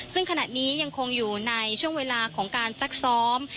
ซึ่งขณะนี้ยังคงอยู่ในช่วงเวลาของการซักซ้อม